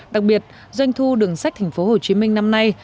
đặc biệt doanh thu đường sách tp hcm năm nay